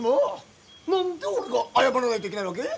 何で俺が謝らないといけないわけ？